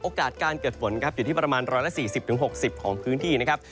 การเกิดฝนครับอยู่ที่ประมาณ๑๔๐๖๐ของพื้นที่นะครับ